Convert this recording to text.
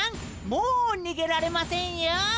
もうにげられませんよ。